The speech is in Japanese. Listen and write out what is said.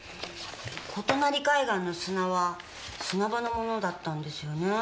琴鳴海岸の砂は砂場のものだったんですよね。